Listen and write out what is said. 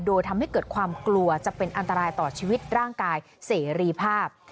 โดยทำให้เกิดความกลัวจะเป็นอันตรายต่อชีวิตร่างกายเสรีภาพ